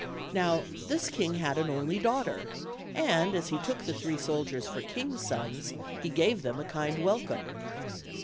Now this king had an only daughter, and as he took the three soldiers for kings' sons, he gave them a kind welcome.